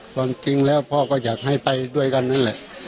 ความจริงแล้วพ่อก็อยากให้ไปด้วยกันนั่นแหละ